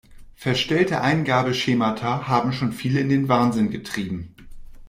Verstellte Eingabeschemata haben schon viele in den Wahnsinn getrieben.